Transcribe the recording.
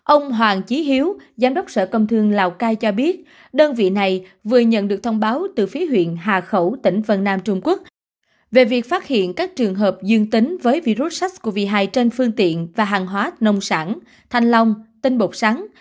ông hoàng trí hiếu giám đốc sở công thương lào cai cho biết đơn vị này vừa nhận được thông báo từ phía huyện hà khẩu tỉnh vân nam trung quốc về việc phát hiện các trường hợp dương tính với virus sars cov hai trên phương tiện và hàng hóa nông sản thanh long tinh bột sắn